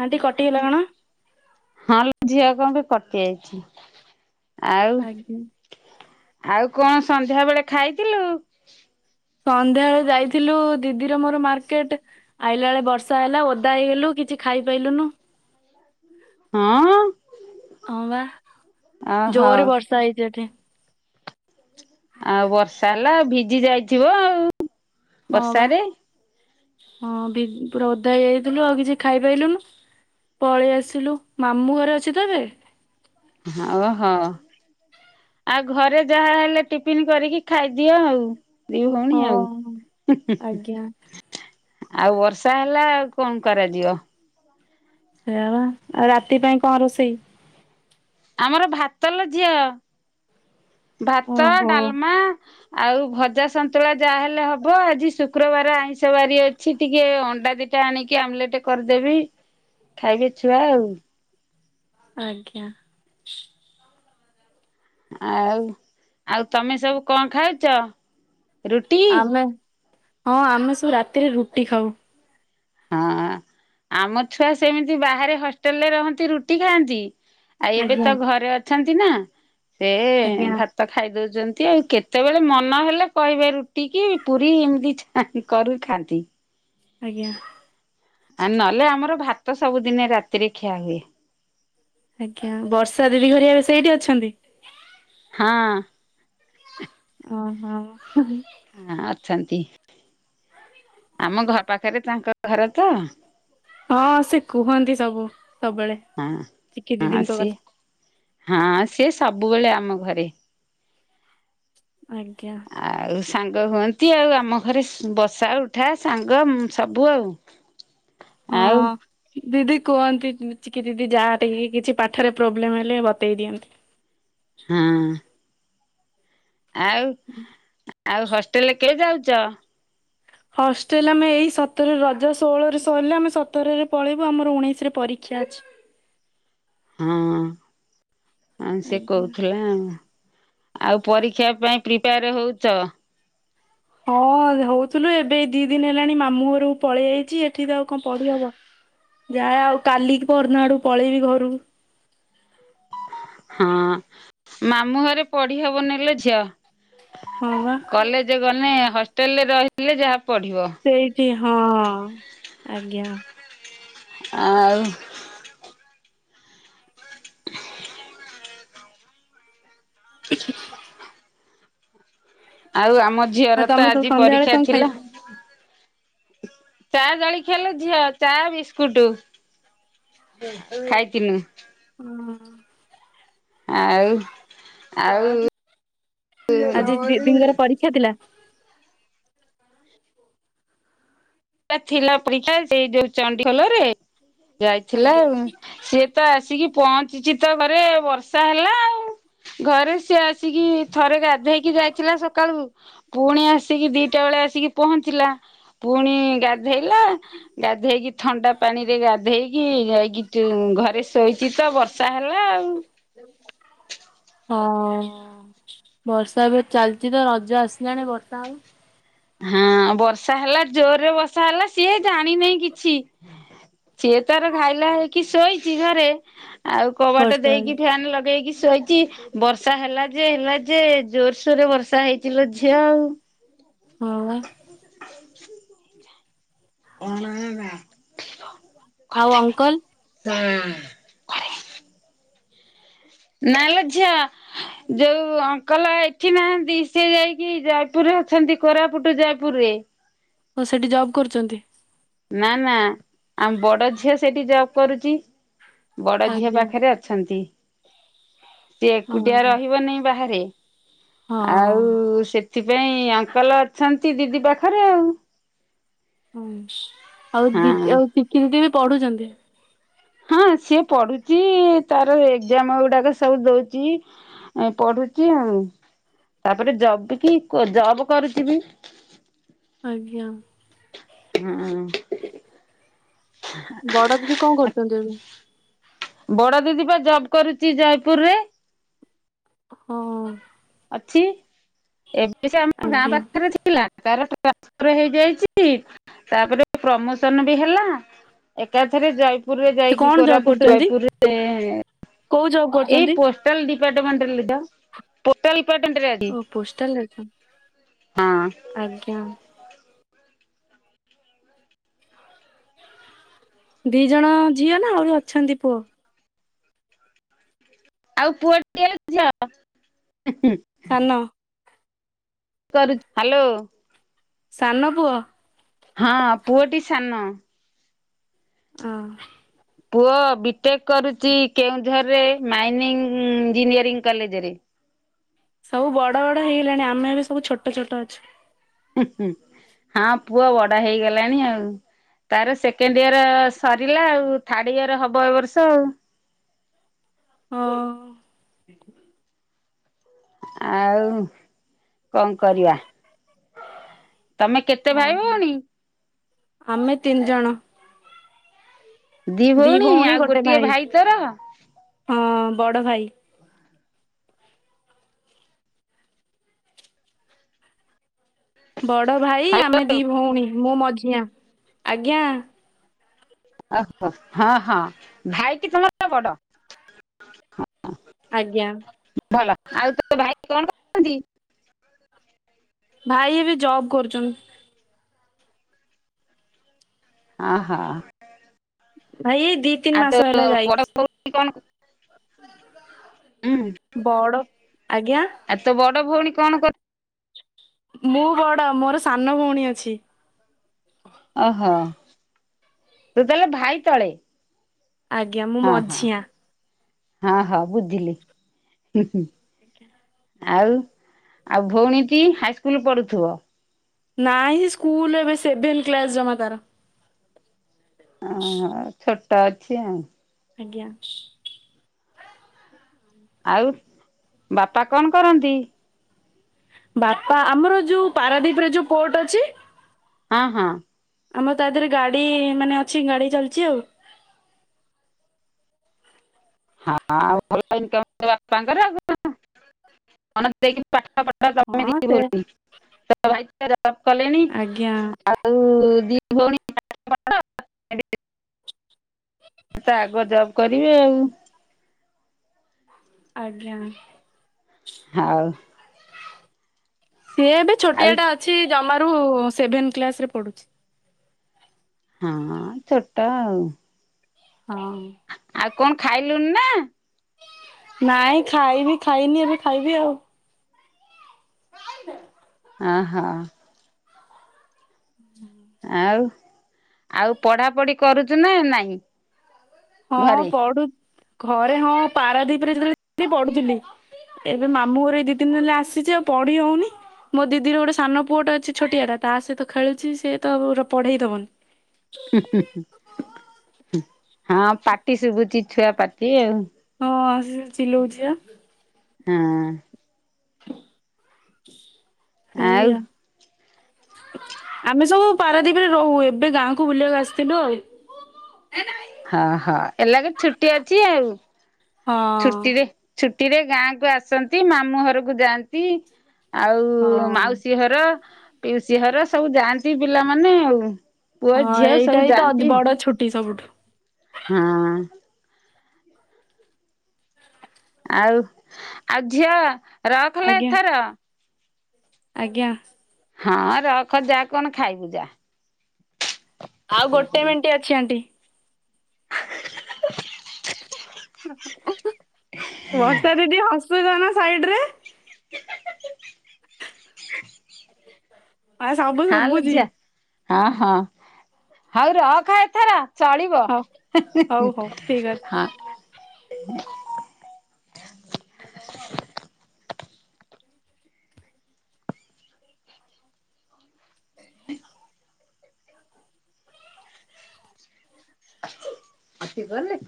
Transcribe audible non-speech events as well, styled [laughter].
Anti କଟିଗଲା କଣ? ହଁ ଲୋ ଝିଅ କଣ ପାଇଁ କଟି ଯାଇଚି ଆଉ ଆଜ୍ଞା। ଆଉ କଣ ସଂନ୍ଧ୍ୟା ବେଳେ ଖାଇଥିଲୁ? ସଂନ୍ଧ୍ୟାବେଳେ ଯାଇଥିଲୁ ଦିଦିର ମୋର ମାର୍କେଟ। ଆଇଲା ବେଳେ ବର୍ଷା ହେଲା ଓଦା ହେଇଗଲୁ କିଛି ଖାଇପାଇଲୁନୁ। ହଁ ହଁ ବା ଓହୋ ଜୋରେ ବର୍ଷା ହେଇଚି ଏଠି। ଆଉ ବର୍ଷା ହେଲା ଭିଜି ଯାଇଥିବ ଆଉ। ହଁ ବା। ବର୍ଷାରେ ହଁ ପୁରା ଓଦା ହେଇଯାଇଥିଲୁ ଆଉ କିଛି ଖାଇପାଇଲୁନୁ। ପଳେଇ ଆସିଲୁ। ମାମୁଁ ଘରେ ଅଛି ତ ଏବେ। ହଁ ବା, ହଁ। ଆଉ ଘରେ ଯାହା ହେଲେ ଟିପିନ କରିକି ଖାଇଦିଅ ଆଉ। ଦି ଭୋଉଣୀ ହଁ ଆଉ। ଆଜ୍ଞା ଆଉ ବର୍ଷା ହେଲା, ଆଉ କଣ କରାଯିବ? ସେଇଆ ବା, ଆଉ ରାତି ପାଇଁ କଣ ରୋଷେଇ? ଆମର ଭାତଲୋ ଝିଅ। ଭାତ, ଓହୋ ଡାଲମା ଆଉ ଭଜା ସନ୍ତୁଳା ଯାହାହେଲେ ହବ, ଆଜି ଶୁକ୍ରବାର ଆଇଁଷ ବାରି ଅ ଛି ଟିକେ ଅଣ୍ଡା ଦିଟା ଆଣିକି ଆମଲେଟ କରିଦେବି। ଖାଇବେ ଛୁଆ ଆଉ। ଆଜ୍ଞା। ଆଉ, ଆଉ ତମେ ସବୁ କଣ ଖାଉଚ? ଆମେ, ହଁ ଆମେ ସବୁ ରାତିରେ ରୁଟି ଖାଉ। ହଁ। ଆମ ଛୁଆ ସେମିତି ବାହାରେ ହଷ୍ଟେଲ ରେ ରହନ୍ତି ରୁଟି ଖାଆନ୍ତି ଆ ଏବେ ଆଜ୍ଞା। ତ ଘରେ ଅଛନ୍ତି ନା ସେ ଆଜ୍ଞା ଭା ତ ଖାଇଦୋଉଚନ୍ତି। କେତେବେଳେ ମନ ହେଲେ କହିବେ ରୁଟି କି ପୁରୀ ଏମିତି ଆଁ କରୁ ଥାଆନ୍ତି। ଆଜ୍ଞା। ଆ ନହେଲେ ଆମର ଭାତ ସବୁଦିନେ ରାତିରେ ଖିଆ ହୁଏ। ଆଜ୍ଞା। ବର୍ଷା ଦିଦି ଘରେ ଏବେ ସେଇଠି ଅଛନ୍ତି। ହଁ। ଓହୋ। ହଁ ଅଛନ୍ତି। ଆମ ଘର ପାଖେରେ ତାଙ୍କ ଘର ତ ହଁ ସେ କୁହନ୍ତି ସବୁ ସବୁବେଳେ। ହଁ, ଚିକି ହଁ ଦିଦିଙ୍କ ସିଏ, କଥା ହଁ ସିଏ ସବୁବେଳେ ଆମ ଘରେ ଆଜ୍ଞା। ଆଉ ସାଙ୍ଗ ହୁଅନ୍ତି ଆଉ ଆମ ଘରେ ବସା ଉଠା ସାଙ୍ଗ ସବୁ ଆଉ। ଆଉ ହଁ। ଦିଦି କୁହନ୍ତି ଚିକି ଦିଦି ଯାହା ଟି କିଛି ପାଠରେ ପ୍ରୋବ୍ଲେମ ହେଲେ ବତେଇ ଦିଅନ୍ତି। ହଁ। ଆଉ ଆଉ ହଷ୍ଟେଲ କେବେ ଯାଉଚ? ହଷ୍ଟେଲ ଆମେ ଏଇ ସତରରେ ରଜ ଷୋହଳରେ ସରିଲେ ଆମେ ସତରରେ ପଳେଇବୁ ଆମର ଉଣେଇସିରେ ପରୀକ୍ଷା ଅଛି। ହଁ ହଁ ସେ ଆଜ୍ଞା କହୁଥିଲା ଆଉ। ଆଉ ପରୀକ୍ଷା ପାଇଁ ପ୍ରିପେୟାର ହୋଉଚ? ହଁ ହୋଉଥିଲୁ ଏବେ ଏଇ ଦି ଦିନ ହେଲାଣି ମାମୁଁ ଘରକୁ ପଳେଇ ଆଇଚି ଏଠି ତ ଆଉ କଣ ପଢି ହବ। ଯାଏ ଆଉ କାଲି ପରଦିନ ଆଡକୁ ପଳେଇବି ଘରୁକୁ। ହଁ ମାମୁଁ ଘରେ ପଢି ହବନି ଲୋ ଝିଅ। ହଁ ପା। ଯେ ଗନେ ହଷ୍ଟେଲରେ ରହିଲେ ଯାହା ପଢିବ। ସେଇଠି ହଁ ହଁ ଆଜ୍ଞା। ଆଉ [inaudible] ଆଉ ଆମ ଆଉ ଝିଅର ତ ତମେ ସବୁ ଆଜି ସନ୍ଧ୍ୟାବେଳେ ପରୀକ୍ଷା କଣ ଥିଲା। ଖାଇଥିଲ? ଚା ଜଳଖିଆ ଲୋ ଝିଅ ଚା ବିସ୍କୁଟ। ଖାଇଥିନୁ। [inaudible] ଆଉ ଆଉ ଆଜି [unintelligible] [unintelligible] ତା ଥିଲା ପରୀକ୍ଷା ସେଇ ଯୋଉ ଚଣ୍ଡିଖୋଲ ରେ ଯାଇଥିଲା ଆଜ୍ଞା ଆଉ। ସିଏ ତ ଆସିକି ପହଞ୍ଚିଚି ତ ଘରେ ବର୍ଷା ହେଲା ଆଉ। ଘରେ ସିଏ ଆସିକି ଥରେ ଗାଧେଇକି ଯାଇଥିଲା ସକାଳୁ। ପୁଣି ଆସିକି ଦିଟା ବେଳେ ଆସିକି ପହଞ୍ଚିଲା, ପୁଣି ଗାଧେଇଲା ଗାଧେଇକି ଥଣ୍ଡା ପାଣି ରେ ଗାଧେଇକି ଯାଇ [unintelligible] ଘରେ ଶୋଇଛି ତ ବର୍ଷା ହେଲା ଆଉ। ହଁ। ବର୍ଷା ଏବେ ଚାଲିଛି ତ ରଜ ଆସିଲାଣି ବର୍ଷା ଆଉ। ହଁ ବର୍ଷା ହେଲା ଜୋରରେ ବର୍ଷା ହେଲା ସିଏ ଜାଣିିନେଇ କିଛି। ସିଏ ତାର ଘାଇଲା ହେଇକି ଶୋଇଛି ଘରେ, ଆଉ କବାଟ ବର୍ଷା ଦେଇକି ଫ୍ୟାନ୍ ଲଗେଇକି ଶୋଇଛି। ବର୍ଷା ହେଲା ଯେ ହେଲା ଯେ ଜୋରସୋରରେ ବର୍ଷା ହେଇଛି ଲୋ ଝିଅ ଆଉ। ହଁ ପା। କଣ ହେଲା? ଆଉ ଅଙ୍କଲ? ହଁ। ନା ଲୋ ଝିଅ। ଯୋଉ ଅଙ୍କଲ ଏଠି ନାହାନ୍ତି, ସେ ଯାଇକି ଜୟପୁରରେ ଅଛନ୍ତି କୋରାପୁଟ ଜୟପୁରରେ। ହଁ ସେଇଠି ଜବ୍ କରୁଛନ୍ତି। ନା ନା ଆମ ବଡ ଝିଅ ସେଇଠି ଜବ୍ କରୁଛି ବଡ ଝିଅ ଆଜ୍ଞା ପାଖରେ ଅଛନ୍ତି ସେ ଏକୁଟିଆ ହଁ ରହିବନି ବାହାରେ। ହଁ ଆଉ ସେଥିପାଇଁ ଅଙ୍କଲ ଅଛନ୍ତି ଦିଦି ପାଖରେ ଆଉ। ହଁ ଆଉ ହଁ ଦିଦି ଆଉ ପିଙ୍କି ଦିଦି ବି ପଢୁଛନ୍ତି। ହଁ ସିଏ ପଢୁଛି ତାର ଏଗଜାମ୍ ଗୁଡାକ ସବୁ ଦଉଛି। ଏ ପଢୁଛି ଆଉ ତାପରେ ଜବ କି ଜବ୍ କରୁଛି ବି। ଆଜ୍ଞା। [inaudible] ହୁଁ ବଡଦିଦି କଣ କରୁଛନ୍ତି ଏବେ? ବଡ ଦିଦି ପା ଜବ୍ କରୁଛି ଜୟପୁରରେ। ହଁ। ଏବେ ସେ ଆମ ଗାଁ ଆଜ୍ଞା ପାଖରେ ଅଛି। ତାର ଟାନ୍ସଫର ହେଇଯାଇଛି ତାପରେ ପ୍ରମୋସନ ବି ହେଲା। ଏକାଥରେ ଜୟପୁରରେ ସେ ଯାଇକି କଣ ଜବ୍ କୋରାପୁଟ କରୁଛନ୍ତି? ଜୟପୁରରେ କୋଉ ଜବ୍ ଏଇ କରୁଛନ୍ତି? ପୋ ହୋଟେଲ ଡିପାଟମେଣ୍ଟ ରେ ପୋର୍ଟାଲ ଓ ପୋଷ୍ଟଲ ରେ ଅଛନ୍ତି। ହଁ ଦି ଜଣ ଝିଅ ନା ଆହୁରି ଅଛନ୍ତି ପୁଅ? ଆଉ ପୁଅ ଟିଏ ଲୋ ଝିଅ। ସାନ। କରୁଛି ହାଲୋ। ସାନ ପୁଅ। ହଁ ପୁଅଟି ସାନ। ଅନ। ପୁଅ ବିଟେକ୍ କରୁଛି କେଉଁଝରରେ ମାଇନିଂ ଇଞ୍ଜିନିୟରିଂ କଲେଜରେ। ସବୁ ବଡ଼ ବଡ଼ ହେଇଗଲେଣି ଆମେ ଏବେ ସବୁ ଛୋଟ ଛୋଟ ଅଛୁ। ଉଁହୁଁ ପୁଅ ବଡ ହେଇଗଲାଣି ଆଉ। ତାର ସେକେଣ୍ଡ ଇୟର ସରିଲା ଆଉ ଥାର୍ଡ ଇୟର ହବ ଏ ବର୍ଷ ଆଉ। ହଁ ଆଉ କଣ କରିବା। ତମେ କେତେ ଓ ଭାଇ ଭଉଣୀ? ଆମେ ତିନି ଜଣ ଦି ଭଉଣୀ ଆଉ ଗୋଟିଏ ଭାଇ ତୋର? ହଁ ବଡ଼ ଭାଇ। ବଡ ଭାଇ ଆମେ ଦି ଭଉଣୀ ମୁଁ ମଝିଆ ଆଜ୍ଞା। ଓହୋ ହଁ ହଁ ଭାଇ କି ତମର ବଡ। ଆଜ୍ଞା। ଭଲ ଆଉ ତୋ ଭାଇ କଣ କରୁଛନ୍ତି? ଭାଇ ଏବେ ଜବ୍ କରୁଛନ୍ତି। ହଁ ହଁ ଭାଇ ଦି ତିନି [unintelligible] ମାସ ହେଲା ଯାଇଛି କଣ [unintelligible] ବଡ ଆଜ୍ଞା ଆଉ ତୋ ବଡ ଭଉଣୀ କଣ କର ମୁଁ ବଡ ମୋର ସାନ ଭଉଣୀ ଅଛି। ଓହୋ ତୁ ତାହେଲେ ଭାଇ ତଳେ? ଆଜ୍ଞା ମୁଁ ହଁ ହଁ ମଝିଆ। ହଁ ହଁ ବୁଝିଲି। ଆଉ ଆଉ ଭଉଣୀଟି ହାଇସ୍କୁଲ ପଢୁଥିବ। ନାଇଁ ସ୍କୁଲ ଏବେ ସେଭେନ କ୍ଲାସ ଜମା ତାର। ଓହୋ ଛୋଟ ଅଛି ଆଉ। ଆଜ୍ଞା ଆଉ ବାପା କଣ କରନ୍ତି ବାପା ଆମର ଯୋଉ ପାରାଦ୍ଵୀପ ରେ ଯୋଉ କୋର୍ଟ ଅଛି ହଁ ହଁ ଆମର ତା ଦେହରେ ଗାଡି ମାନେ ଅଛି ଗାଡି ଚାଲିଛି ଆଉ ହଁ ଆଉ ଭଲ ଇନକମ ବାପାଙ୍କର ଆଉ କଣ ମନ ଦେଇକି ପାଠ ପଢ ତମେ ହଁ ଦି ସେ ଭଉଣୀ ଭାଇ ତ ଜବ କଲେଣି ଆଜ୍ଞା ଆଉ ଦି ଭଉଣୀ ପାଠ ପଢ଼ ତ ଆଗ ଜବ୍ କରିବେ ଆଉ ଆଜ୍ଞା ହଉ ସିଏ ଏବେ ଛୋଟିଆ ଆଉ ଟା ଅଛି ଜମାରୁ ସେଭେନ କ୍ଲାସ ରେ ପଢୁଛି ହଁ ଛୋଟ ଆଉ ହଁ ଆଉ କଣ ଖାଇଲୁଣି ନା ନାଇଁ ଖାଇବି ଖାଇନି ଏବେ ଖାଇବି ଆଉ ଅ ହୋ ହୁଁ ଆଉ ଆଉ ପଢାପଢି କରୁଛୁ ନା ନାଇଁ ହଁ ଘରେ? ପଢ଼ୁ ଘରେ ହଁ ପାରାଦୀପରେ ଯେତେବେଳେ ଥିଲି ପଢୁଥିଲି ଏବେ ମାମୁଁ ଘର ଏଇ ଦି ତିନି ଦିନ ହେଲା ଆସିଛି ଆଉ ପଢି ହଉନି ମୋ ଦିଦିର ଗୋଟେ ସାନ ପୁଅଟେ ଅଛି ଛୋଟିଆଟା ତା ସହିତ ଖେଳୁଛି ସିଏ ତ ପୁର ପଢେଇ ଦେବନି ହ ହଁ ପାଟି ଶୁଭୁଚି ଛୁଆ ପାଟି ଆଉ ହଁ ମାଉସୀ ସିଏ ଚିଲଉଛି ବା ହଁ ଆଉ ସେଇଆ ଆମେ ସବୁ ପାରାଦୀପରେ ରହୁ ଏବେ ଗାଁକୁ ବୁଲିବାକୁ ଆସିଥିଲୁ ଆଉ ହଁ ହଁ ଏଲାଗେ ଛୁଟି ଅଛି ଆଉ ହଁ। ଛୁଟିରେ ଛୁଟିରେ ଗାଁ କୁ ଆସନ୍ତି ମାମୁଁ ଘରକୁ ଯାଆନ୍ତି ଆଉ ହଁ। ମାଉସୀ ଘ ର ପିଉସୀ ଘର ସବୁ ଯାଆନ୍ତି ପିଲାମାନେ ଆଉ ପୁଅ ହଁ ଝିଅ ସବୁ ଏଇଟା ହିଁ ଯାଆନ୍ତି ତ ବଡ ଛୁଟି ସବୁଠୁ ହଁ ଆଉ ଆଉ ଝିଅ ରଖଲୋ ଆଜ୍ଞା ଏଥର ଆଜ୍ଞା ହଁ ରଖ ଯା କଣ ଖାଇବୁ ଯା ଆଉ ଗୋଟେ ହଁ ମିନିଟ୍ ଅଛି ଆଣ୍ଟି ବର୍ଷା ଦିଦି ହସୁଛ ନା ସାଇଡ ରେ ଆ ସବୁ ହଁ ଲୋ ଶୁଭୁଚି। ଝିଅ ହଁ ହଁ ହଉ ରଖ ଏଥର ଚଳିବ ହଉ ହଉ ହଉ ଠିକ ଅଛି। ହଁ ହଁ ଆସିଗଲେ